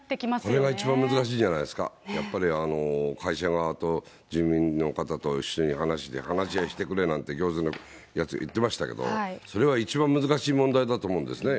それが一番難しいんじゃないですか、やっぱり、会社側と住民の方と一緒に話して、話し合いしてくれなんて、業者のほう言ってましたけど、それは一番難しい問題だと思うんですね。